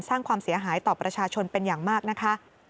สร้างความเสียหายต่อประชาชนเป็นอย่างมากนะคะ